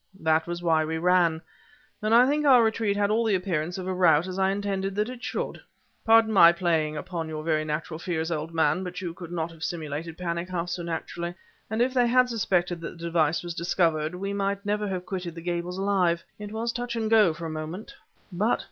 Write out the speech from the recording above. "That was why we ran. But I think our retreat had all the appearance of a rout, as I intended that it should. Pardon my playing upon your very natural fears, old man, but you could not have simulated panic half so naturally! And if they had suspected that the device was discovered, we might never have quitted the Gables alive. It was touch and go for a moment." "But..."